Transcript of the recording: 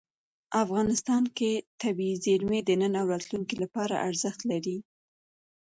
افغانستان کې طبیعي زیرمې د نن او راتلونکي لپاره ارزښت لري.